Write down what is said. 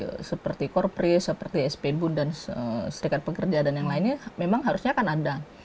atau organisasi seperti korpori seperti spbu dan sedekat pekerja dan yang lainnya memang harusnya akan ada